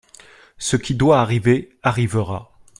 Ce qui doit arriver arrivera.